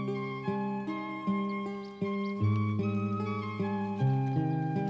menjadi kemampuan anda